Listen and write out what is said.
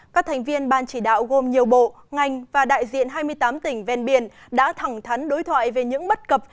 các thành viên ban chỉ đạo gồm nhiều bộ ngành và đại diện hai mươi tám tỉnh ven biển đã thẳng thắn đối thoại về những bất cập